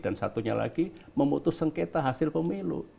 dan satunya lagi memutus sengketa hasil pemilu